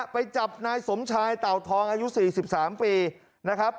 ไปจับนายสมชายเต่าทองอายุ๔๓ปีนะครับ